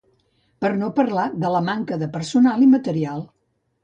Per no parlar de la manca de personal i material.